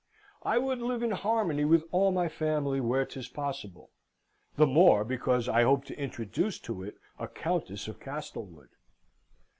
I would live in harmony with all my family where 'tis possible the more because I hope to introduce to it a Countess of Castlewood.